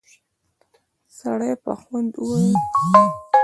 سړي په خوند وويل: